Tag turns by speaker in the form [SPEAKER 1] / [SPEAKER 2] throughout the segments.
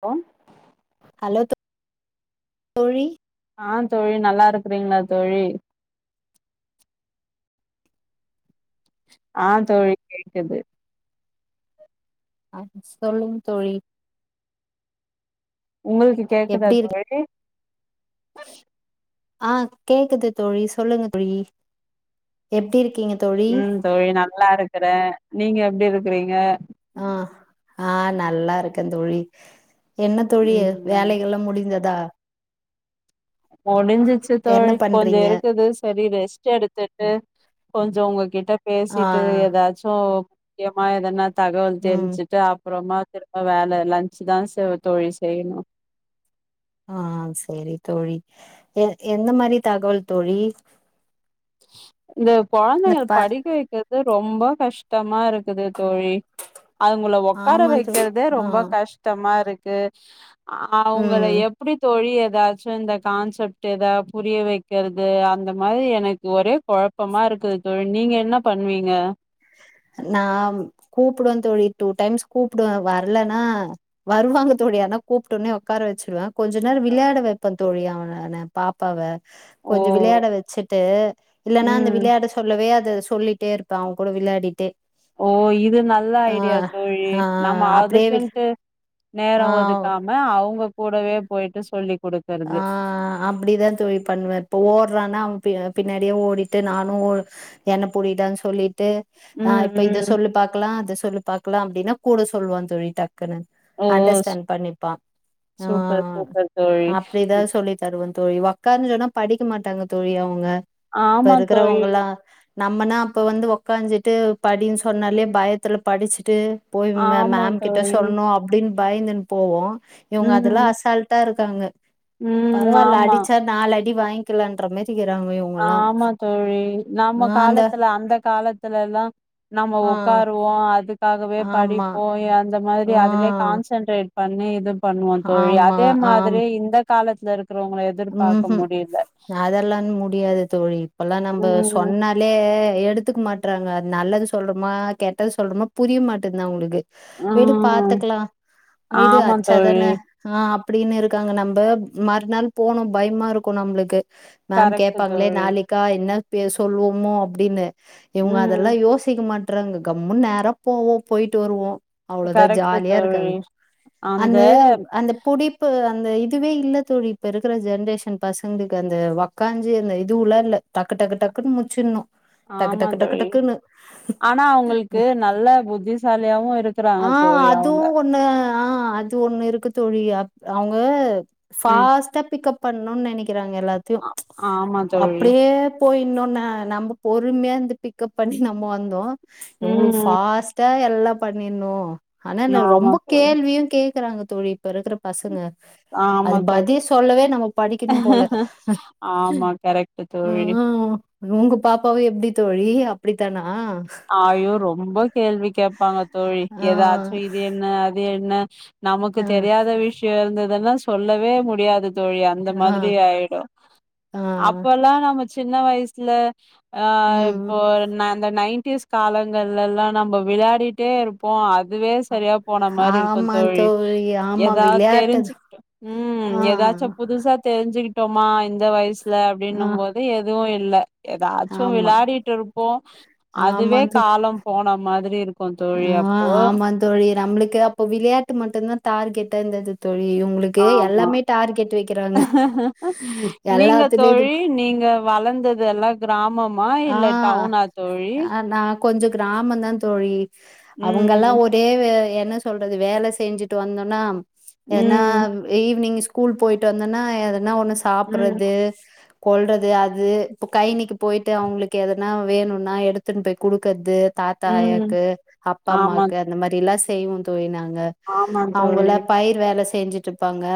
[SPEAKER 1] வோ
[SPEAKER 2] hello தோழி
[SPEAKER 1] ஆ தோழி நல்லா இருக்கறீங்களா தோழி ஆ தோழி கேக்குது
[SPEAKER 2] அ சொல்லுங் தோழி
[SPEAKER 1] உங்களுக்கு கேக்குதா
[SPEAKER 2] எப்டி இரு
[SPEAKER 1] தோழி ஹ
[SPEAKER 2] ஆ கேக்குது தோழி சொல்லுங்க தோழி எப்டி இருக்
[SPEAKER 1] ம் தோழி நல்லா இருக்கறே நீங்க எப்டி இருக் க்கிறீங்க
[SPEAKER 2] ஆ ஆ நல்லா இருக்க தோழி என்ன தோழி
[SPEAKER 1] ம்
[SPEAKER 2] வேலைகல்லா முடிந்ததா
[SPEAKER 1] முடிஞ்சிச்சி
[SPEAKER 2] என்ன
[SPEAKER 1] தோழி கொஞ்ச
[SPEAKER 2] பண்றீங்க
[SPEAKER 1] இருக்குது சரி ரெஸ்ட் எடுத்துட்டு கொஞ்சோ உங்க கிட்ட
[SPEAKER 2] ஆ
[SPEAKER 1] பேசிட்டு ஏதாச்சு க்கியமா எதனா தகவல்
[SPEAKER 2] ம்
[SPEAKER 1] தெரிஞ்சிட்டு அப்புறமா திரும்ப வேல லஞ்சிதா செ தோழி செய்யனு
[SPEAKER 2] ஆ சரி தோழி எ எந்த மாரி தகவல் தோழி
[SPEAKER 1] இந்த
[SPEAKER 2] இந்த ப
[SPEAKER 1] கொழந்தைகள் படிக்க வைக்கிறது ரொம்ப ரொம்ப கஷ்டமா இருக்குது தோழி அதுங்கள உக்கார
[SPEAKER 2] ஆமா தோழி
[SPEAKER 1] வைக்கிறதே
[SPEAKER 2] ஆ
[SPEAKER 1] ரொம்ப கஷ்டமா இருக்கு க அவங்கள
[SPEAKER 2] ம்
[SPEAKER 1] எப்டி தொழியது ஏதாச்சு இந்த கான்செப்ட் ஏதாவது புரிய வைக்கிறது அந்த மாதிரி எனக்கு ஒரே குழப்பமா இருக்குது தோழி நீங்க என்ன பண்ணுவீங்க
[SPEAKER 2] நா கூப்பிடுவே தோழி டூ டைம்ஸ் கூப்பிடுவே வரலைன்னா வருவாங்க தோழி ஆனா கூப்டோனே உக்கார வச்சுருவே கொஞ்ச நேரோ விளையாட வைப்ப தோழியவன பாப்பாவ கொஞ்ச
[SPEAKER 1] ஓ
[SPEAKER 2] விளையாட வச்சுட்டு இல்லைன்னா அந்த
[SPEAKER 1] ம்
[SPEAKER 2] விளையாட சொல்லவே அது சொல்லிட்டே இருப்பா கூட விளையாடிட்டே
[SPEAKER 1] ஓ இது நல்ல
[SPEAKER 2] ஆ
[SPEAKER 1] ஐடியா தோழி
[SPEAKER 2] ஆ
[SPEAKER 1] நம்ம
[SPEAKER 2] அப்டியே
[SPEAKER 1] அதுக்குன்ட்டு நேரோ
[SPEAKER 2] ஆ
[SPEAKER 1] ஒதுக்காம அவங்க போ கூடவே போயிட்டு சொல்லி
[SPEAKER 2] ஆ
[SPEAKER 1] குடுக்கறது
[SPEAKER 2] அப்படித்தா தோழி பண்ணுவே இப்ப ஓடுறானா பின்னாடியே ஓடிட்டு நானு என்ன புடிடான்னு சொல்லி ட்டு ஆ
[SPEAKER 1] ம்
[SPEAKER 2] இப்ப இத
[SPEAKER 1] ம்
[SPEAKER 2] சொல்லூ பா்கக்கலா அத சொல்லூ பா இருக்லா அப்டின்னா சொல்லுவா தோழி டக்கு னு
[SPEAKER 1] ஓ சூ-
[SPEAKER 2] அண்டர்ஸ்டாண்ட் பண்ணிப்பா
[SPEAKER 1] சூப்பர் சூப்பர் தோழி
[SPEAKER 2] இதா சொல்லி தரு தோழி வக்கார்ன்னு சொன்னா படிக்க மாட்டாங்க தோழி அவுங்க இப்ப
[SPEAKER 1] ஆமா தோழி
[SPEAKER 2] இருக்கிறவங்கல்லா நம்மனா அப்போ வந்து உக்காஞ்சிட்டு படின்னு சொன்னாலே பயத்துல படிச்சுட்டு போய் மே
[SPEAKER 1] ஆமா
[SPEAKER 2] மேம் கிட்ட
[SPEAKER 1] தோழி
[SPEAKER 2] சொல்லணு அப்டின்னு பயந்துனு போவோ இவங்க அதெல்லா
[SPEAKER 1] ம்
[SPEAKER 2] அசால்ட்டா இருக்கு இருக்காங்க
[SPEAKER 1] ம் ஆமா
[SPEAKER 2] வாங்கிக்கலாம்ன்றமே
[SPEAKER 1] ஆமா தோழி
[SPEAKER 2] ஆ
[SPEAKER 1] நம்ம
[SPEAKER 2] அந்த
[SPEAKER 1] காலத்துல அந்த காலத்துலல்லா நம்ம
[SPEAKER 2] ஆ
[SPEAKER 1] ஒக்காருவோ அதுக்காகவே
[SPEAKER 2] ஆமா
[SPEAKER 1] படிப்போ அந்த அந்த மாதிரி
[SPEAKER 2] ஆ
[SPEAKER 1] அதுலே கான்சன்ட்ரேட் பண்ணி இது பண்ணுவோ தோழி
[SPEAKER 2] ஆமா
[SPEAKER 1] அதே
[SPEAKER 2] ஆம்
[SPEAKER 1] மாதிரி இந்த காலத்து ச இருக்குறவங்ள எதிர்பாக்க
[SPEAKER 2] ம்ஹும்
[SPEAKER 1] முடியல
[SPEAKER 2] அதெல்லா முடியாது தோழி இப்பல்லா நம்ப
[SPEAKER 1] ம்
[SPEAKER 2] சொன்னாலே எடுத்துக்க மாட்ட றாங்க நல்லது சொல்றோமா கெட்டது சொல்றோமா புரிய மாட்டேங்குது அவுங்களுக்கு விடு
[SPEAKER 1] ம்
[SPEAKER 2] பாத்துக்கலா விடு
[SPEAKER 1] ஆமா
[SPEAKER 2] அச்சாதான
[SPEAKER 1] தோழி
[SPEAKER 2] ஆ அப்டின்னு இருக்காங்க நம்ப மறுநாள் போனு பயமா இருக்கு நம்மளுக்கு மேம்
[SPEAKER 1] கரெக்ட்
[SPEAKER 2] கேப்பாங்களே
[SPEAKER 1] தோழி
[SPEAKER 2] நாளைக்கா என்ன சொல்லுவோமோ அப்டின்னு இவுங்க
[SPEAKER 1] ம்
[SPEAKER 2] அதெல்லா யோசிக்க மாட்ட ட்றாங்க கம்முன் நேரா போவோ போயிட்டு வருவோ அவ்ளவுதா
[SPEAKER 1] கரெக்ட்
[SPEAKER 2] ஜாலியா
[SPEAKER 1] தோழி
[SPEAKER 2] இருக்காங்க அந்த அந்த புடிப்பு அந்த இதுவே இல்ல தோழி இப்ப இருக்குற ஜென்ரேஷன் பசங்களுக்கு அந்த உக்காஞ்சி அந்த இது உள்ளல இல்ல டக்கு டக்கு டக்குன்னு முச்சிடனு டக்கு
[SPEAKER 1] ஆமா
[SPEAKER 2] டக்கு டக்கு
[SPEAKER 1] தோழி
[SPEAKER 2] டக்குன்னு
[SPEAKER 1] ஆனா அவங்களுக்கு நல்ல புத்திசாலியாவு இருக்கிறாங்க
[SPEAKER 2] ஆ
[SPEAKER 1] தோழி
[SPEAKER 2] அதுவு
[SPEAKER 1] அவங்க
[SPEAKER 2] ஒன்னு ஆ அது ஒன்னு இருக்கு தோழி அ அவுங்க
[SPEAKER 1] ம்
[SPEAKER 2] பாஸ்ட் பிக்அப் பண்ணுனு நெனக்கு விக்குறாங்க எல்லாத்தையு
[SPEAKER 1] ஆ- ஆமா தோழி
[SPEAKER 2] அப்டியே போய் இன்னொன்ன நம்ம பொறுமையா வந்து பிக்கப் பண்ணி நம்ம வந்தோ உங்களுக்கு
[SPEAKER 1] ம்
[SPEAKER 2] ஃபாஸ்டா நல்லா பண்ணிரனு ஆனா நா
[SPEAKER 1] ஆமா
[SPEAKER 2] ரொம்ப
[SPEAKER 1] தோழி
[SPEAKER 2] கேள்வியு கே இருக்குறாங்க தோழி இப்ப இருக்க பசங்க
[SPEAKER 1] ஆமா
[SPEAKER 2] அது
[SPEAKER 1] தோழி
[SPEAKER 2] பதி இப்பே நம்ம படிக்கணு போல
[SPEAKER 1] ஆமா கரெக்ட் தோழி
[SPEAKER 2] ம் உங்க பாப்பாவு எப்டி தோழி அப்டித்தானா
[SPEAKER 1] ஆயோ ரொம்ப கேள்வி கேப்பாங்க தோழி
[SPEAKER 2] ஆ
[SPEAKER 1] எதாச்சு இது என்ன அது என்ன [inaudible] நமக்கு
[SPEAKER 2] ஆ
[SPEAKER 1] தெரியாத விஷ்யோ இருந்ததுன்னா சொல்லவே முடியாது தோழி அந்த
[SPEAKER 2] ஆ
[SPEAKER 1] மாரி ஆயிடு
[SPEAKER 2] ஆ
[SPEAKER 1] அப்பெல்லா நம்ம சி ன்ன வயசுல ஆ
[SPEAKER 2] ம்
[SPEAKER 1] இப்போ
[SPEAKER 2] ஆ
[SPEAKER 1] ந அந்த நைன் டிஸ் காலங்கல்லா நம்ம விளையாடிட்டே இருப்போ அ இதுவே சரியா போன மாரி இருக்கு
[SPEAKER 2] ஆமா
[SPEAKER 1] தோழி
[SPEAKER 2] ஆமா
[SPEAKER 1] எதா
[SPEAKER 2] விளையாட்டு
[SPEAKER 1] தெரிஞ்சி
[SPEAKER 2] தான்.
[SPEAKER 1] ம்
[SPEAKER 2] ஆ
[SPEAKER 1] எதாச்சு புதுசா தெரிஞ்சிக்கி டோமா இந்த வயஸ் இல்ல
[SPEAKER 2] ஆ
[SPEAKER 1] அப்பிடின்னு
[SPEAKER 2] ஆ,
[SPEAKER 1] போது எதுவு இ இல்ல எதாச்சு
[SPEAKER 2] ஆமா.
[SPEAKER 1] விளையாடிட்டு இருப்போ
[SPEAKER 2] ஆமா
[SPEAKER 1] அதுவே
[SPEAKER 2] தோழி.
[SPEAKER 1] காலம் போனமா மாதிரி இருக்
[SPEAKER 2] ஆ ஆமா தோழி நம்மளுக்கு அப்போ விளையாட்டு மட்டுதா தார்கெ ட்டு இந்தது தோ
[SPEAKER 1] ஆமா
[SPEAKER 2] வைக்கிறாங்க.
[SPEAKER 1] நீங்க
[SPEAKER 2] எல்லாத்துலயும் இது
[SPEAKER 1] தோழி நீங்க வளந்தது எல்லா கிராமம் மா இல்ல டவுனா தோழி
[SPEAKER 2] கொஞ்ச கிராமந்தா தோழி அவங்கெல்லா
[SPEAKER 1] ம்
[SPEAKER 2] ஒரே வே எ என்ன சொல்றது வேல செஞ்சுட்டு வந்தோனா ஏன்னா
[SPEAKER 1] ம்
[SPEAKER 2] ஈவினிங் ஸ்கூல் போயிட்டு வந்தன்னா எதனா ஒன்னு
[SPEAKER 1] ம்
[SPEAKER 2] சாப்பறது கொல்றது அது இப்ப கை நீக்கு போயி ட்டு அவங்களுக்கு எதனா வேணுன்னா எடுத்துன்னு போய் குடுக்கறது தாத்தா
[SPEAKER 1] ம்
[SPEAKER 2] ஆயாக்கு அப்பா
[SPEAKER 1] ஆமா
[SPEAKER 2] அம்மாக்கு அந்த மாரில்லா செய்வோ தோழி நா
[SPEAKER 1] ஆமா
[SPEAKER 2] அவுங்கள
[SPEAKER 1] தோழி
[SPEAKER 2] பயிர் வேல செஞ்சுட்டுருப்பாங்க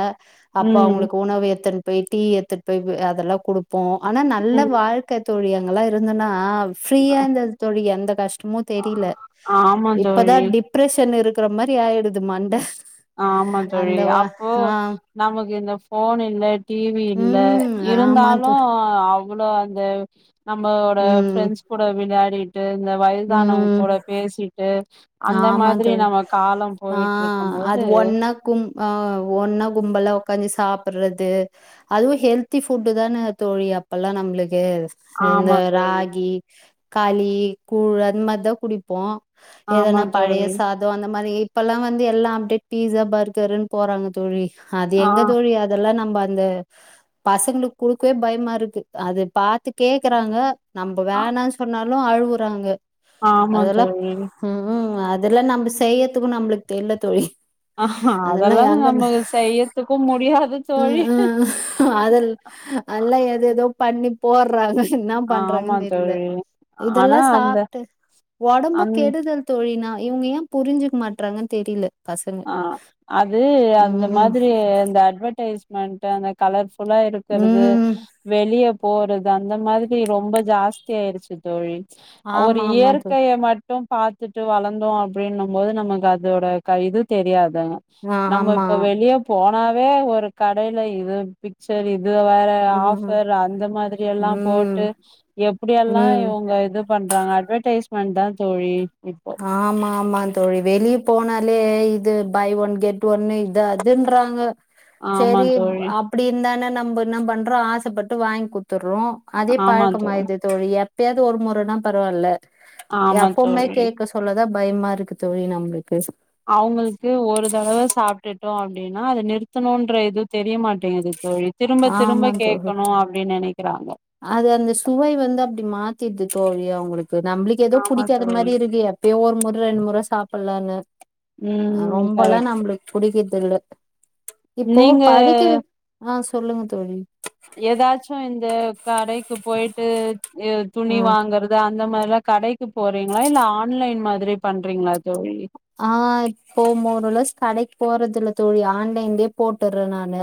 [SPEAKER 2] அப்ப
[SPEAKER 1] ம்
[SPEAKER 2] அவுங்களுக்கு உணவு எத் போய் டீ எடுத்துட்டு போய் அதெல்லா குடு ப்போ ஆனா நல்ல
[SPEAKER 1] ம்
[SPEAKER 2] வாழ்க்க தோழி அங்களா இருந்துனா ஆ ஃரீயா இருந்தது தோழி அந்த மோ தெரியல
[SPEAKER 1] ஆமா
[SPEAKER 2] இப்பதா
[SPEAKER 1] தோழி
[SPEAKER 2] டிப்ரெஷன் இருக்கு அப்புற மாதிரி ஆயிடுது மண்ட
[SPEAKER 1] ஆ ஆமாந்தோழி
[SPEAKER 2] அந்த வா
[SPEAKER 1] அப்போ
[SPEAKER 2] ஆ
[SPEAKER 1] நமக்கு இந்த ஃபோனு இல்ல டிவி இல்ல
[SPEAKER 2] ம் ஆமா
[SPEAKER 1] இருந்தாலு
[SPEAKER 2] தோழி
[SPEAKER 1] அவ்ளோ அந்த நம்ம ஓட
[SPEAKER 2] ம்
[SPEAKER 1] ஃரெண்ட்ஸ் கூட விளாடி இந்த வயதானவ
[SPEAKER 2] ம்
[SPEAKER 1] கூட பேசிட்டு அந்த
[SPEAKER 2] ஆமா
[SPEAKER 1] மாதிரி
[SPEAKER 2] தோழி
[SPEAKER 1] நம்ம காலோ
[SPEAKER 2] ஆ
[SPEAKER 1] போயிட்டு இருக்கும் போது
[SPEAKER 2] ஒன்னா கும் அ ஒன்னா கும்பல் ஒக்காந்து சாப்புட்றது அதுவு ஹெல்த்தி ஃபுட்டு தான தோழி அப்பெல்லா நம்மளுக்கு இந்த இந்த
[SPEAKER 1] ஆமா தோழி
[SPEAKER 2] ராகி கலி கூழ் அந்த மாதிரிதா குடிப்போ
[SPEAKER 1] ஆமா
[SPEAKER 2] எதனா பழைய
[SPEAKER 1] தோழி
[SPEAKER 2] சாதோ அந்த மாதிரி இப்பல்லா வந்து எல்லா அப்டேட் பீஸா பர்கர்ன்னு போறாங்க தோழி அது
[SPEAKER 1] ஆ
[SPEAKER 2] எங்க தோழி அதெல்லா நம்ம அந்த பசங்களுக்கு குடுக்கவே பயமா இருக்கு அத பாத்து கேக்குறாங்க நம்ப
[SPEAKER 1] ஆ
[SPEAKER 2] வேணானு சொன்னாலு அழுவுறாங்க
[SPEAKER 1] ஆமா தோழி
[SPEAKER 2] உம் அதெல்லா நம்ம செய்யுறத்துக்கு நம்மளுக்கு தெரில்ல தோழி
[SPEAKER 1] ஆ அதெல்லா நம்ம செய்யறத்துக்கு முடியாது
[SPEAKER 2] ம்
[SPEAKER 1] தோழி
[SPEAKER 2] ம் அதல் போடுறாங்க என்ன
[SPEAKER 1] ஆமா
[SPEAKER 2] பண்றதுன்னு தெரில்ல
[SPEAKER 1] தோழி ஆனா
[SPEAKER 2] இதெல்லா
[SPEAKER 1] அந்த
[SPEAKER 2] சாப்ட்டு ஒடம்பு
[SPEAKER 1] அந்
[SPEAKER 2] கெடுதல் தோழி நா இவுங்க ஏ புரிஞ்சுக்க மாட்றாங்கன் தெரியல
[SPEAKER 1] ஆ அது அந்த
[SPEAKER 2] ம்
[SPEAKER 1] மாதிரி அ அட்வர்டைஸ் மென்ட்டு அந்த கலர்ஸ் குழாய் இருக்குறது
[SPEAKER 2] ம்
[SPEAKER 1] வெளிய போறது அந்த மாதிரி ரொம்ப ஜாஸ்தி ஆயிடுச்சு தோழி ஒரு
[SPEAKER 2] ஆமா ஆமா தோழி
[SPEAKER 1] இயற்கைய மட்டு பாத்துட்டு வளந்தோ அப்டின்னு போது நமக்கு அதோட கா இது தெரியாது
[SPEAKER 2] ஆ
[SPEAKER 1] நம்ம
[SPEAKER 2] ஆமா
[SPEAKER 1] இப்ப வெளிய போன சும்மாவே ஒரு கடய்ல எதோ பிச்சரு இது இது வேற
[SPEAKER 2] ம்
[SPEAKER 1] ஆபர் அந்த மாதிரி எல்லா போட்டு
[SPEAKER 2] ம்
[SPEAKER 1] எப்டியெல்லா
[SPEAKER 2] ம்
[SPEAKER 1] இவுங்க இது பண்றாங்க அட்வர்டைஸ் மண்டா தோழி
[SPEAKER 2] ஆமா ஆமா தோழி வெளிய போனா இது பை ஒன் கெட் ஒன்னு இது அதுன்றாங்க
[SPEAKER 1] ஆமா
[SPEAKER 2] சரி
[SPEAKER 1] தோழி
[SPEAKER 2] அப்டி இருந்தான நம்ப என்ன பண்றோ ஆசப்பட்டு வாங்கி குடுத்து குடுத்துற்றோ அதே பழக்கம் ஆயிருது தோழி எப்பயாது ஒரு முறன்னா பரவாயில்ல
[SPEAKER 1] ஆமா தோழி
[SPEAKER 2] தா பயமா இருக்கு தோழி நம்மளுக்
[SPEAKER 1] அவுங்களுக்கு ஒரு தடவ சாப்ட்டுட்டு அப்டின்னா அத நிறுத்தணூன்ற எதுவு தெரியமாட்டேங்குது தோழி திரும்ப
[SPEAKER 2] ஆமா
[SPEAKER 1] திரும்ப
[SPEAKER 2] தோழி
[SPEAKER 1] கேக்கணு அப்டின்னு நெனக்குறாங்க
[SPEAKER 2] அது அந்த சுவை வந்து அப்டி மாத்திடுது தோழி அவுங்களுக்கு நம்மளுக்கு ஏதோ
[SPEAKER 1] ஆமா
[SPEAKER 2] புடிக்காத
[SPEAKER 1] தோழி
[SPEAKER 2] மாதிரி இருக்கு எப்பயோ ஒரு மொற ரெண்டு மொற சாப் அப்டில்லா இல்ல
[SPEAKER 1] ம்
[SPEAKER 2] ரொம்பல்லா
[SPEAKER 1] கரெக்ட்
[SPEAKER 2] நம்மளுக்கு புடிக்குது இல்ல இப்போ
[SPEAKER 1] நீங்க
[SPEAKER 2] படிக்கவைக் ஆ சொல்லுங்க தோழி
[SPEAKER 1] ஏதாச்சு இந்த கடைக்கு போயிட்டு
[SPEAKER 2] ஆ
[SPEAKER 1] துணி வாங்குறது இந்த மாதிரிலா கடைக்கு போறீங்ளா இல்ல ஆன்லைன் மாதிரி பண்றீங்ளா தோழி
[SPEAKER 2] ஆ இப்போ போ ஒருல கடைக்கு போறது இல்ல தோழி ஆன்லைன்லயே போட்டுறே நானு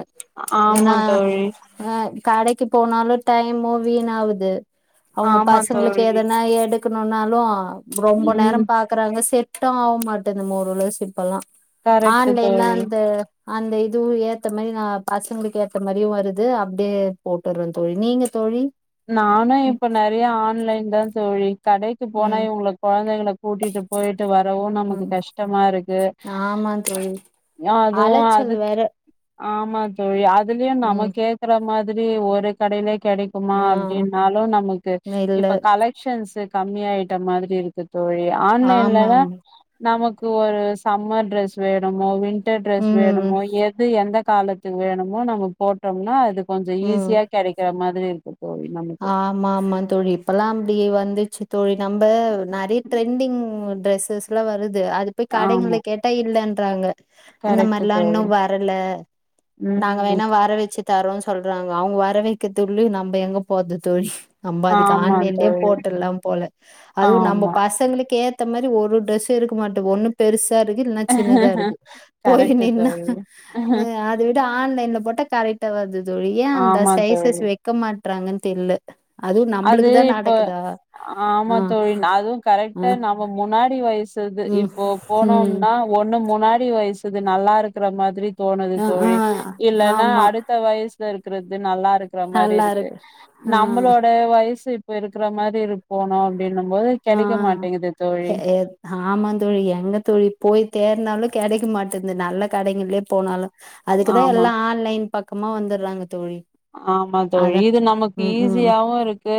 [SPEAKER 1] ஆமா
[SPEAKER 2] ஏனா
[SPEAKER 1] தோழி
[SPEAKER 2] ஆ கடைக் போனாலு டைமு வீணா ஆகுது அவுங்க
[SPEAKER 1] ஆமா
[SPEAKER 2] பசங்களுக்கு
[SPEAKER 1] தோழி
[SPEAKER 2] எதனா எடு இருக்கனு நாலு ரொம்ப நேரோ
[SPEAKER 1] ம்
[SPEAKER 2] பாக்குறாங்க ச ஆ மரு ந்த ம ஒரு ஓரளவு சிப்பெல்லா
[SPEAKER 1] கரெக்ட்டு
[SPEAKER 2] ஆன்லைல்ல
[SPEAKER 1] தோழி
[SPEAKER 2] அந்த அந்த இதுவு ஏத்த மாதிரி நா பசங்களுக்கு ஏத்த மாதிரியு வருது அப்டியே போட்டுறே தோழி நீங்க தோழி
[SPEAKER 1] நானு இப்ப நெறய ஆன்லைன்தா தோழி கடைக்கு போனா
[SPEAKER 2] ம்
[SPEAKER 1] இவுங்கள கொழந்தைங்கள கூட்டிட்டு போய் வரவு நமக்கு கஷ்டமா இருக்கு
[SPEAKER 2] ஆமாந்தோழி
[SPEAKER 1] அதுவு அது
[SPEAKER 2] அலச்சல் வேற
[SPEAKER 1] ஆமா தோழி அ அதுலயு நம்ம
[SPEAKER 2] ம்
[SPEAKER 1] கேக்குற மாரி ஒரு கடையிலே கெடை இருக்குமா
[SPEAKER 2] ஆ
[SPEAKER 1] அப்டின்னாலு நமக்கு
[SPEAKER 2] இல்ல
[SPEAKER 1] இப்ப கலெக்க்ஷன்ஸு கம்மி ஆயிட்ட மாதிரி இருக்குது தோழி
[SPEAKER 2] ஆமா
[SPEAKER 1] ஆன்லைன்லதா
[SPEAKER 2] ஆமா
[SPEAKER 1] நமக்கு ஒரு சம்மர் ட்ரெஸு வேணுமோ ட்ரெஸ் வேணுமோ
[SPEAKER 2] ம்
[SPEAKER 1] எது எந்த காலத்துக்கு வேணுமோ நம்ம போட்டோம்னா அது கொஞ்சொ ஈஸியா கெடைக்கிற மாதிரி இரு
[SPEAKER 2] ஆமாமா தோழி இப்பல்லா அப்டியே வந்துச்சு தோழி நம்ப நறைய ட்ரெண்டிங் டிரெஸ்ஸஸ்லா வரு து அது போய்
[SPEAKER 1] ஆமா
[SPEAKER 2] கடைங்கள்ல கேட்டா இல்லன் றாங்க அந்த
[SPEAKER 1] கரெக்ட்
[SPEAKER 2] மார்லா இன்னு
[SPEAKER 1] தோழி
[SPEAKER 2] வரல நாங்க
[SPEAKER 1] ம்
[SPEAKER 2] வேணா வர வச்சு தரோ சொல்றாங்க அவுங்க வர வக்கிற்துள்யு நம்ப எங்க போது தோழி நம்ப அதுக்கு
[SPEAKER 1] ஆமா
[SPEAKER 2] ஆன்லைன்லே
[SPEAKER 1] தோழி
[SPEAKER 2] போட்லா போல அதுவு நம்ப
[SPEAKER 1] ஆமா
[SPEAKER 2] பசங்களுக்கே த்த மாரி ஒரு ட்ரெஸ்ஸு இருக்க மாட்டு ஒன்னு பெரு சா இருக்கு இல்னா சின்னதா இருக்கு போய்
[SPEAKER 1] கரெக்ட்
[SPEAKER 2] நின்னா
[SPEAKER 1] தோழி
[SPEAKER 2] அத விட ஆன்லைன்ல போட்டா கரெக்டா வருது தோழி ஏ அந்த
[SPEAKER 1] ஆமா
[SPEAKER 2] சைசஸ்
[SPEAKER 1] தோழி
[SPEAKER 2] வக்க மாட் றாங்கன் தெல்ல
[SPEAKER 1] அது இப்ப ஆமா
[SPEAKER 2] ஆ
[SPEAKER 1] தோழி அதுவு
[SPEAKER 2] ஆ
[SPEAKER 1] கரெக்டா நம்ம முன்னாடி வயசுது
[SPEAKER 2] ம்
[SPEAKER 1] இப்போ
[SPEAKER 2] ம்
[SPEAKER 1] போனோம்னா ஒன்னு முன்னாடி வயசு க்கது நல்லா இருக்குற மாதிரி தோனுது
[SPEAKER 2] ஆ ஆ
[SPEAKER 1] தோழி இல்லேனா
[SPEAKER 2] ஆமா
[SPEAKER 1] அடுத்த வயசுல இரு க்கிறது நல்லாருக்குற மாரி இருக்கு
[SPEAKER 2] ஆ
[SPEAKER 1] நம்மளோ வயசு இப்ப இருக்குற மாரி இருப்போனோ அப்டின்னும் போது
[SPEAKER 2] ஆ
[SPEAKER 1] கெடைக்க மாட்டேங்குது
[SPEAKER 2] எ‌
[SPEAKER 1] தோழி
[SPEAKER 2] ஆமாந்தோழி எங்க தோழி போய் தேர்ந்தாலு கெடைக்க மாட்டெந்து நல்ல கடைங்கள்லே போனாலு அதுக்குதா
[SPEAKER 1] ஆமா
[SPEAKER 2] எல்லா ஆன்லைன் பக்கமா வந்துர்றாங்க தோழி
[SPEAKER 1] ஆமா தோழி
[SPEAKER 2] அதா
[SPEAKER 1] இது நமக்கு
[SPEAKER 2] ம் ம்
[SPEAKER 1] ஈஸியாவு இருக்கு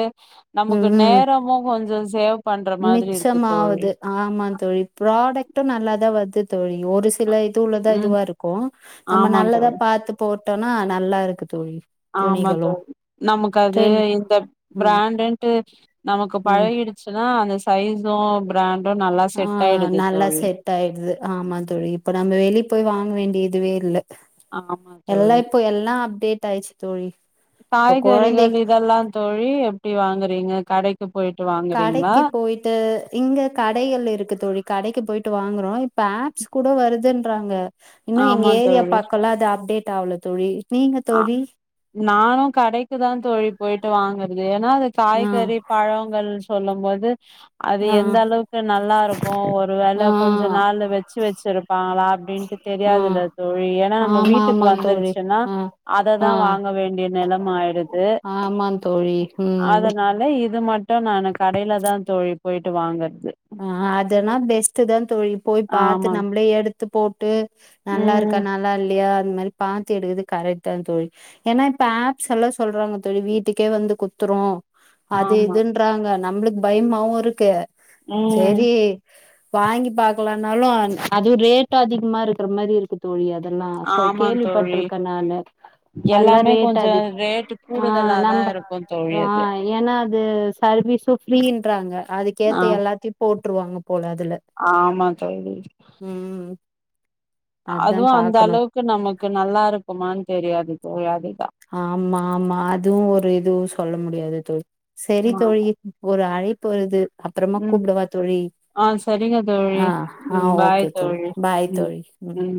[SPEAKER 2] ம்
[SPEAKER 1] நமக்கு
[SPEAKER 2] ம்
[SPEAKER 1] நேரமு கொஞ்ச சேவ் பண்ற மாதிரி இருக்கு தோழி
[SPEAKER 2] மிச்சமாவுது ஆமா தோழி ப்ராடெக்ட்டு நல்லாதா வ தோழி ஒரு சில தூலதா
[SPEAKER 1] ம்
[SPEAKER 2] இதுவா இருக்கும் நம்ம
[SPEAKER 1] ஆமா
[SPEAKER 2] நல்லதா
[SPEAKER 1] தோழி
[SPEAKER 2] பாத்து போ நா நல்லா இருக்கு தோழி
[SPEAKER 1] ஆமா
[SPEAKER 2] துணிகளு
[SPEAKER 1] தோழி நமக்கு அது
[SPEAKER 2] ட்ரெண்
[SPEAKER 1] இந்த
[SPEAKER 2] ம்
[SPEAKER 1] பிராண்டுண்டு நமக்கு
[SPEAKER 2] ம்
[SPEAKER 1] பழகிடுச்சுன்னா அந்த சைஸசும் பிராண்ட்
[SPEAKER 2] ஆ நல்லா செட் ஆயிடுது ஆமா தோழி இப்ப நம்ம வெளிய போய் வாங்க வேண்டி இதுவே இல்ல
[SPEAKER 1] ஆமா
[SPEAKER 2] எல்லா
[SPEAKER 1] தோழி
[SPEAKER 2] இப்போ எல்லா அப்டேட் டுச்சு தோழி இப்ப கொழந்தை
[SPEAKER 1] காய்கறிகள் இதெல்லா தோழி எப்டி வாங்குறீங்க கடை
[SPEAKER 2] கடைக்கு போயிட்டு இங்க கடைகள் இருக்கு தோழி கடைக்கு போயிட்டு வாங்க அப்றோ இப்ப ஆப்ஸ் கூட வருதுன்றாங்க இன்னும் எங்க
[SPEAKER 1] ஆமா
[SPEAKER 2] ஏரியா
[SPEAKER 1] தோழி
[SPEAKER 2] பக்கலா அது அப்டேட் தாவல தோழி நீங்க தோழி
[SPEAKER 1] நானும் கடை க்கு தான் தோழி போயிட்டு வாங்குறது ஏன்னா அது
[SPEAKER 2] ஆ
[SPEAKER 1] காய்கறி பழங்கள் சொல்லும் போது அது
[SPEAKER 2] ஆ
[SPEAKER 1] எந்த அளவுக்கு நல்லா இருக்கும் ஒரு வேளை
[SPEAKER 2] ஆ
[SPEAKER 1] கொஞ்சம் நாள் வச்சு வச்சிருப்பாங்களா அப்டின்ட்டு
[SPEAKER 2] ஆ
[SPEAKER 1] தெரியாதுல தோழி ஏன்னா நம்ம
[SPEAKER 2] ஆமா
[SPEAKER 1] வீட்டுக்கு
[SPEAKER 2] ஆமா தோழி
[SPEAKER 1] வந்துருச்சுன்னா
[SPEAKER 2] ஆ
[SPEAKER 1] அததா
[SPEAKER 2] ஆ
[SPEAKER 1] வாங்க வேண்டிய நேலம ஆயிடுது
[SPEAKER 2] ஆமா தோழி ம்
[SPEAKER 1] அதனால இது மட்டும் நா கடையில தா தோழி போயிட்டு வாங்க
[SPEAKER 2] அதெனா பெஸ்ட் தா தோழி போய் பாத்து
[SPEAKER 1] ஆமா
[SPEAKER 2] நம்மளே எடுத்து போட்டு நல்லா இருக்கா
[SPEAKER 1] ம்
[SPEAKER 2] நல்லா இல்லயா மாரி பாத்தி எடுக்குது கரெக்ட தா தோழி ஏன்னா இப்ப ஆப்ஸ் எல்லா சொல்றாங்க தோழி வீட்டுக்கே வந்து குடுத்துறோ அது
[SPEAKER 1] ஆமா
[SPEAKER 2] இதுன்றாங்க நம்மளுக்கு பயமாவும் இருக்கு
[SPEAKER 1] ம்
[SPEAKER 2] செரி வாங்கி பாக்கலாம்னாலும் அதுவும் ரேட் அதிகமா இருக்கிற மாரி இருக்கு தோழி அது நா
[SPEAKER 1] ஆமா தோழி
[SPEAKER 2] கேள்விப்பட்டிருக்கேன் நானு அதுல
[SPEAKER 1] எல்லாமே
[SPEAKER 2] ரேட்
[SPEAKER 1] கொஞ்ச
[SPEAKER 2] அதிக
[SPEAKER 1] ரேட்டு
[SPEAKER 2] ஆ
[SPEAKER 1] கூடுதலாதா
[SPEAKER 2] நம்ம
[SPEAKER 1] இருக்கு தோழி
[SPEAKER 2] ஆ
[SPEAKER 1] அது
[SPEAKER 2] ஏன்னா அது சர்வீஸும் ஃப்ரீ இன்றாங்க
[SPEAKER 1] ஆ
[SPEAKER 2] அதுக்கேத்த எல்லாத்தையும் போட்ருவாங்க போது அதுல
[SPEAKER 1] ஆமா
[SPEAKER 2] ம் அதா
[SPEAKER 1] அதுவும் அந்த
[SPEAKER 2] பாக்கணு
[SPEAKER 1] அளவுக்கு நமக்கு நல்லா இருக்குமானு தெரியாது போயாது
[SPEAKER 2] ஆமா ஆமா அதுவு ஒரு இதுவு சொல்ல முடியாது தோழி செரி தோழி
[SPEAKER 1] ஆமா
[SPEAKER 2] ஒரு அழை ப்பு வருது அப்புறமா
[SPEAKER 1] ம்
[SPEAKER 2] கூப்புடவா தோழி
[SPEAKER 1] ஆ சரிங்க தோழி
[SPEAKER 2] ஆ ஆ
[SPEAKER 1] ம் பாய்
[SPEAKER 2] ஓகே தோழி பாய்
[SPEAKER 1] ம்
[SPEAKER 2] தோழி
[SPEAKER 1] ம்